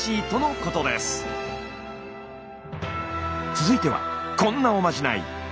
続いてはこんなおまじない。